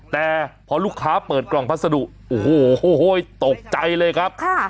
แต่พอลูกค้าเปิดกล่องพัสดุโอ้โหตกใจเลยครับ